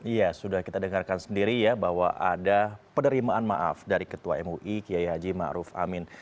iya sudah kita dengarkan sendiri ya bahwa ada penerimaan maaf dari ketua mui kiai haji ⁇ maruf ⁇ amin